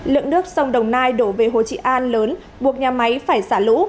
lượng nước sông đồng nai đổ về hồ trị an lớn buộc nhà máy phải xả lũ